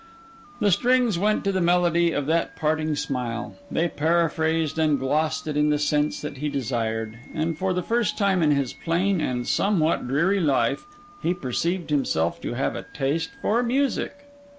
The strings went to the melody of that parting smile; they paraphrased and glossed it in the sense that he desired; and for the first time in his plain and somewhat dreary life, he perceived himself to have a taste for music.